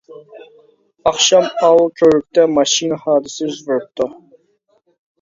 -ئاخشام، ئاۋۇ كۆرۈكتە ماشىنا ھادىسىسى يۈز بېرىپتۇ.